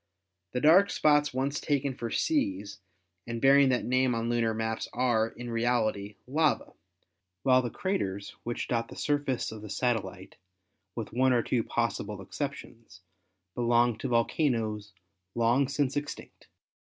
The dark spots once taken for seas and bearing that name on lunar maps are, in reality, lava, while the craters which dot the surface of the satellite, with one or two possible exceptions, belong to volcanoes long since extinct.